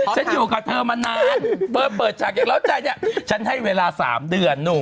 ฉันอยู่กับเธอมานานเธอเปิดฉากอย่างเล่าใจเนี่ยฉันให้เวลา๓เดือนหนุ่ม